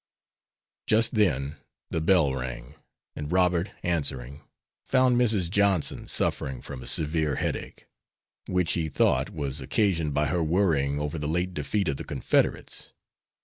Just then the bell rang, and Robert, answering, found Mrs. Johnson suffering from a severe headache, which he thought was occasioned by her worrying over the late defeat of the Confederates.